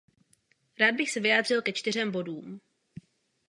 Rád bych se vyjádřil ke čtyřem bodům.